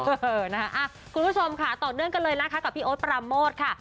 เออนะคะคุณผู้ชมค่ะต่อเนื่องกันเลยนะคะกับพี่โอ๊ตปราโมทค่ะ